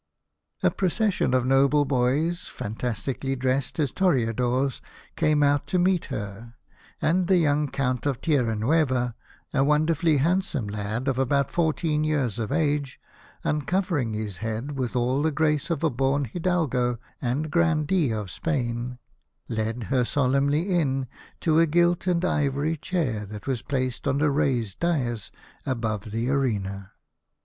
A procession of noble boys, fantastically dressed as toreadors , came out to meet her, and the young Count of Tierra Nueva, a wonderfully handsome lad of about fourteen years of age, uncovering his head with all the grace of a born hidalgo and grandee of Spain, 34 The Birthday of the Infanta. led her solemnly in to a h'ttle gilt and ivory chair that was placed on a raised dais above the arena.